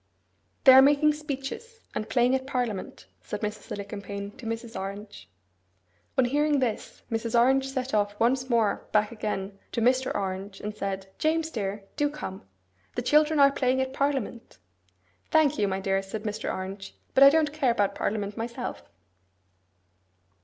'They are making speeches, and playing at parliament,' said Mrs. Alicumpaine to Mrs. Orange. On hearing this, Mrs. Orange set off once more back again to Mr. Orange, and said, 'James dear, do come. The children are playing at parliament.' 'Thank you, my dear,' said Mr. Orange, 'but I don't care about parliament myself.